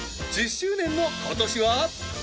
１０周年の今年は。